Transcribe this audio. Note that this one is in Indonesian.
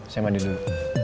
saya mandi dulu